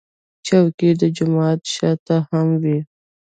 چوکۍ د جومات شا ته هم وي.